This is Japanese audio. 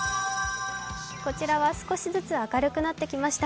こちらは少しずつ明るくなってきました。